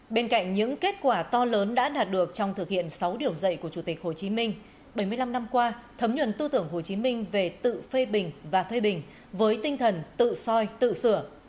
bên cạnh những kết quả to lớn đã đạt được trong thực hiện sáu điều dạy của chủ tịch hồ chí minh bảy mươi năm năm qua thấm nhuận tư tưởng hồ chí minh về tự phê bình và phê bình với tinh thần tự soi tự sửa